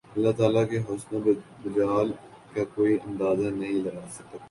اللہ تعالی کے حسن و جمال کا کوئی اندازہ نہیں لگا سکت